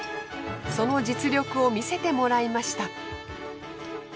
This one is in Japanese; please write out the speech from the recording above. その実力を見せてもらいました。